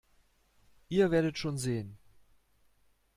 Ihr werdet schon sehen.